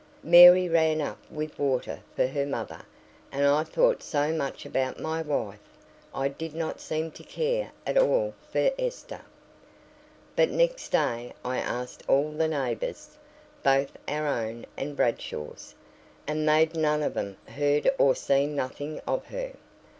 Mary ran up with water for her mother, and I thought so much about my wife, I did not seem to care at all for Esther. But the next day I asked all the neighbours (both our own and Bradshaw's), and they'd none of 'em heard or seen nothing of her.